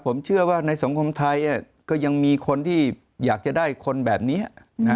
ผมเชื่อว่าในสังคมไทยก็ยังมีคนที่อยากจะได้คนแบบนี้